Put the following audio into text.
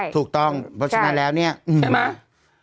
ถูกต้องเพราะฉะนั้นแล้วเนี่ยใช่ไหม